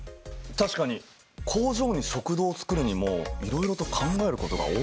確かに工場に食堂を作るにもいろいろと考えることが多いな。